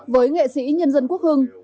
với nghệ sĩ nhân dân quốc hưng